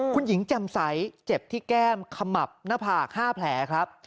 คุณหญิงแจ่มใสเจ็บที่แก้มขมับหน้าผาก๕แผลครับ